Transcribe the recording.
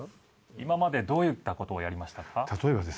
・今までどういったことをやりました？